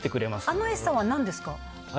あの餌は何ですか？